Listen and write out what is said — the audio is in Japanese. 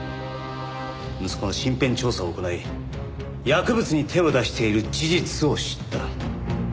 息子の身辺調査を行い薬物に手を出している事実を知った。